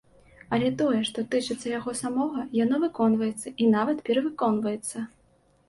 Але тое, што тычыцца яго самога, яно выконваецца і нават перавыконваецца.